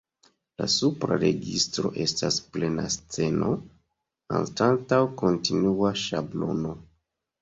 La supra registro estas plena sceno, anstataŭ kontinua ŝablono.